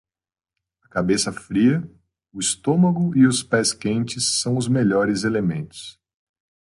A cabeça fria, o estômago e os pés quentes são os melhores elementos.